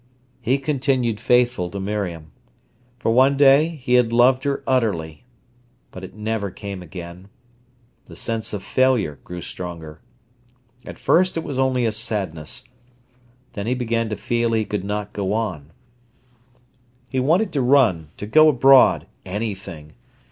He continued faithful to Miriam. For one day he had loved her utterly. But it never came again. The sense of failure grew stronger. At first it was only a sadness. Then he began to feel he could not go on. He wanted to run, to go abroad, anything.